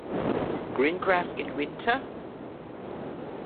Green grass in winter?